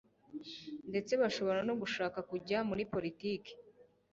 ndetse bashobora no gushaka kujya muri politiki